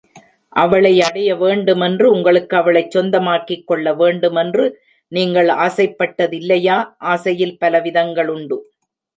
அவளை அடைய வேண்டுமென்று உங்களுக்கு அவளைச் சொந்தமாக்கிக் கொள்ள வேண்டுமென்று நீங்கள் ஆசைப்பட்ட தில்லையா? ஆசையில் பல விதங்களுண்டு.